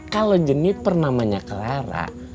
kalau jeniper namanya clara